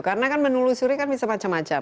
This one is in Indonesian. karena kan menelusuri bisa macam macam